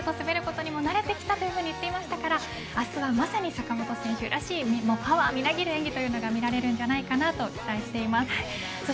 ロシア勢と滑ることに慣れてきたというふうに言っていましたから明日は、まさに坂本選手らしいパワーみなぎる演技が見られるんじゃないかと期待しています。